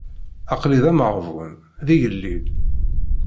Aql-i d ameɣbun, d igellil.